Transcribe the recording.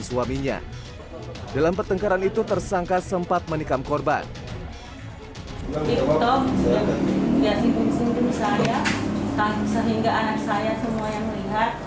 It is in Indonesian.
suaminya dalam pertengkaran itu tersangka sempat menikam korban